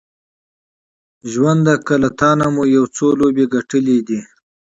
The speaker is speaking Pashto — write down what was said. ژونده که له تانه مو یو څو لوبې ګټلې دي